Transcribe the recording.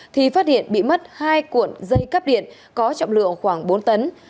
thì phát hiện bị mất hai cuộn dây cắp điện có trọng lượng khoảng bốn tấn